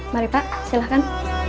mari pak silahkan